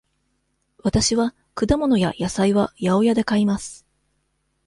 わたしは果物や野菜は八百屋で買います。